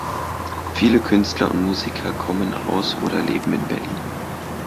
Viele Künstler und Musiker kommen aus oder leben in Berlin.